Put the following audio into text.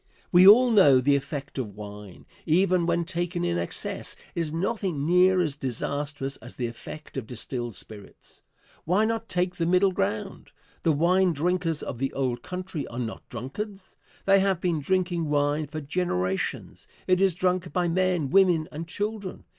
We all know the effect of wine, even when taken in excess, is nothing near as disastrous as the effect of distilled spirits. Why not take the middle ground? The wine drinkers of the old country are not drunkards. They have been drinking wine for generations. It is drunk by men, women and children.